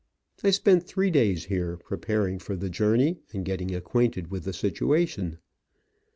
I spent three days here preparing for the journey and getting acquainted with the situation.